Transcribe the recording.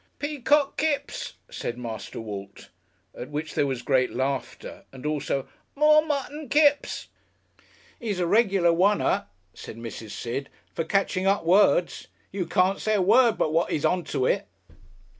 "Peacock Kipps" said Master Walt, at which there was great laughter, and also "More Mutton, Kipps." "He's a regular oner," said Mrs. Sid, "for catching up words. You can't say a word but what 'e's on to it."